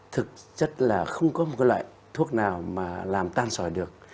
thực chất là không có một loại thuốc nào mà làm tan sỏi được